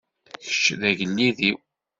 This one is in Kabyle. Kečč d agellid-iw.